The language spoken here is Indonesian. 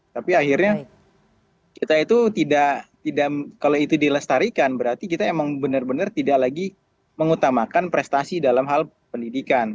tapi akhirnya kita itu tidak kalau itu dilestarikan berarti kita emang benar benar tidak lagi mengutamakan prestasi dalam hal pendidikan